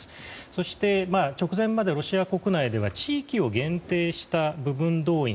そして、直前までロシア国内では地域を限定した部分動員。